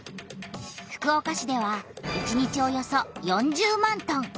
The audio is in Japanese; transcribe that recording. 福岡市では１日およそ４０万トン！